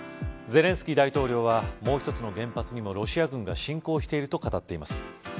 ゼレンスキー大統領はもう一つの原発にもロシア軍が侵攻してると語っています。